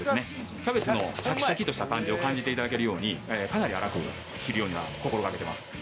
キャベツのシャキシャキッとした感じを感じて頂けるようにかなり粗く切るようには心がけてます。